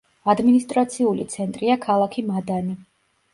ადმინისტრაციული ცენტრია ქალაქი მადანი.